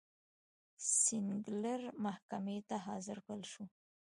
سینکلر محکمې ته حاضر کړل شو.